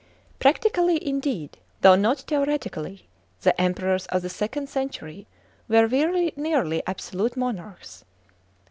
Practically, indeed, though not theoretically, the Emperors of the second century were very nearly absolute monarchs.